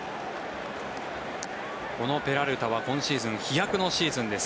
このペラルタは今シーズン飛躍のシーズンです。